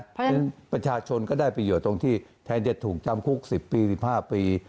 เพราะฉะนั้นประชาชนก็ได้ประโยชน์ตรงที่แทนจะถูกจำคุก๑๐ปี๑๕ปี